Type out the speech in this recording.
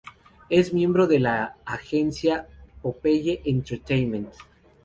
Es miembro de la agencia "Popeye Entertainment".